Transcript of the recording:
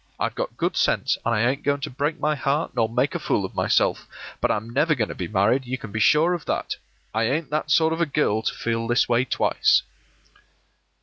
I've got good sense, an' I ain't going to break my heart nor make a fool of myself; but I'm never going to be married, you can be sure of that. I ain't that sort of a girl to feel this way twice.